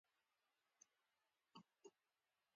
هیلۍ د ښکلي چاپېریال برخه ده